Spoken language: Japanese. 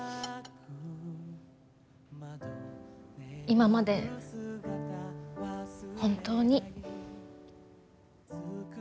今まで本当に。